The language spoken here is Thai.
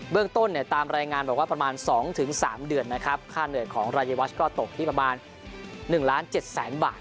เบื้องต้นเนี่ยตามรายงานบอกว่าประมาณ๒๓เดือนนะครับค่าเหนิดของรายเยวัชก็ตกที่ประมาณ๑๗๐๐๐๐๐บาทนะครับ